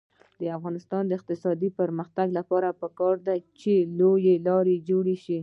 د افغانستان د اقتصادي پرمختګ لپاره پکار ده چې لویې لارې جوړې شي.